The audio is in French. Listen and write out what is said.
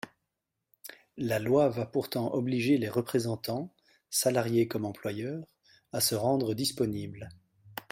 La loi va pourtant obliger les représentants, salariés comme employeurs, à se rendre disponibles.